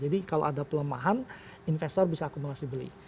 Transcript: jadi kalau ada pelemahan investor bisa akumulasi beli